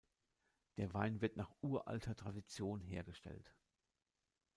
Der Wein wird nach uralter Tradition hergestellt.